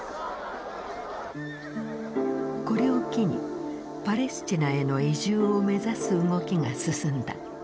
これを機にパレスチナへの移住を目指す動きが進んだ。